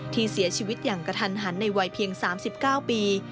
ที่เสียชีวิตอย่างกระทันหันในวัยเพียง๓๙ปี